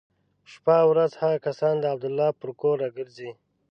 شپه او ورځ هغه کسان د عبدالله پر کور را ګرځي.